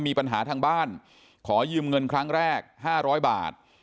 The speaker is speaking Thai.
มีปัญหาทางบ้านขอยืมเงินครั้งแรก๕๐๐บาท